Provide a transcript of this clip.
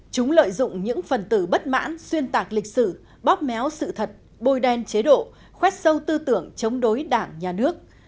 chúng lợi dụng những phần tử bất mãn xuyên tạc lịch sử bóp méo sự thật bôi đen chế độ khoét sâu tư tưởng chống đối đảng nhà nước